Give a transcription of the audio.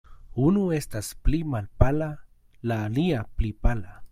Unu estas pli malpala; la alia, pli pala.